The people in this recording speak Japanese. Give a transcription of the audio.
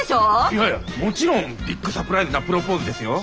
いやいやもちろんビッグサプライズなプロポーズですよ？